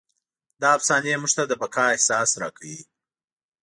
دا افسانې موږ ته د بقا احساس راکوي.